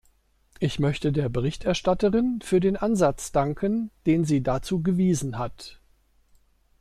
Ich möchte der Berichterstatterin für den Ansatz danken, den sie dazu gewiesen hat.